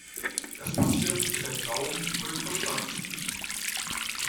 Das passiert, wenn der Glauben über den Verstand siegt.